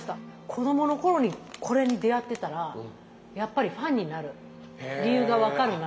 子供の頃にこれに出会ってたらやっぱりファンになる理由が分かるなってちょっと思いますよ。